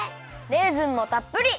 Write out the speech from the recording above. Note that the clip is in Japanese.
レーズンもたっぷり！